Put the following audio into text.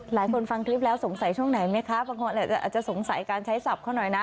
ฟังคลิปแล้วสงสัยช่วงไหนไหมคะบางคนอาจจะสงสัยการใช้ศัพท์เขาหน่อยนะ